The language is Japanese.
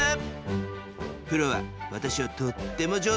プロは私をとっても上手に使うの。